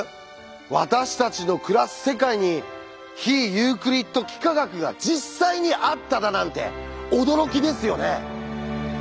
私たちの暮らす世界に非ユークリッド幾何学が実際にあっただなんて驚きですよね。